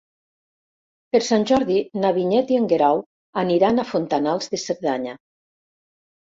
Per Sant Jordi na Vinyet i en Guerau aniran a Fontanals de Cerdanya.